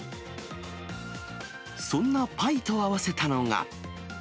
そんなパイと合わせたのが。